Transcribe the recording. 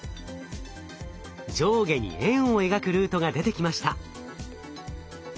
上下に円を描くルートが出てきました。